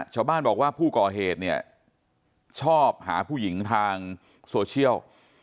ชาวบ้านบอกว่าผู้ก่อเหตุเนี่ยชอบหาผู้หญิงทางโซเชียล